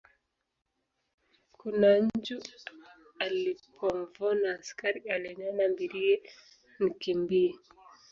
Kuna nchu alipomvona askari alinena mbirie nkimbie.